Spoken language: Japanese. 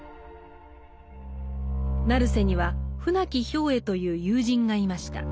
成瀬には船木兵衛という友人がいました。